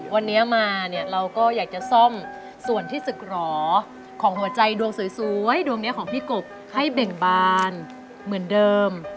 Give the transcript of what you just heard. วันนี้มาเนี่ยเราก็อยากจะซ่อมส่วนที่ศึกหรอของหัวใจดวงสวยดวงนี้ของพี่กบให้เบ่งบานเหมือนเดิม